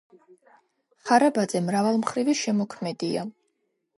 ხარაბაძე მრავალმხრივი შემოქმედია.